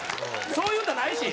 そういう歌ないし。